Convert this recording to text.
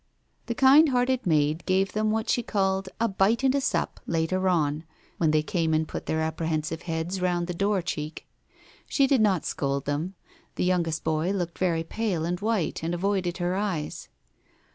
The kind hearted maid gave them what she called "a bite and a sup " later on, when they came and put their apprehensive heads round the door cheek. She did not scold them. The youngest boy looked very pale and white, and avoided her eyes.